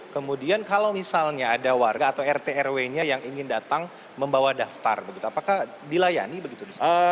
kemudian kalau misalnya ada warga atau rt rw nya yang ingin datang membawa daftar begitu apakah dilayani begitu di sana